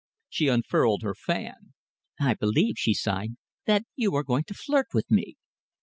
She unfurled her fan. "I believe," she sighed, "that you are going to flirt with me."